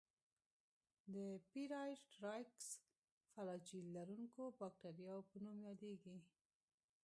د پېرایټرایکس فلاجیل لرونکو باکتریاوو په نوم یادیږي.